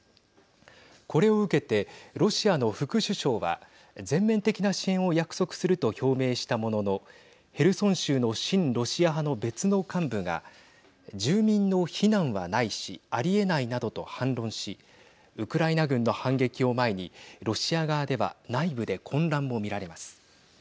これを受けてロシアの副首相は全面的な支援を約束すると表明したもののヘルソン州の親ロシア派の別の幹部が住民の避難はないしありえないなどと反論しウクライナ軍の反撃を前にロシア側では内部で混乱も見られます。